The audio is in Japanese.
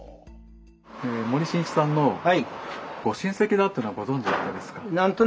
森進一さんのご親戚だというのはご存じだったですか？